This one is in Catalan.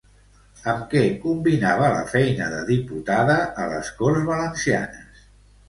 Amb què combinava la feina de diputada a les Corts Valencianes?